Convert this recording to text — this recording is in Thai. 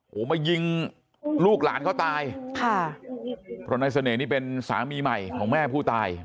โอ้โหมายิงลูกหลานเขาตายค่ะเพราะนายเสน่ห์นี่เป็นสามีใหม่ของแม่ผู้ตาย